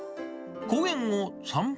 公園を散歩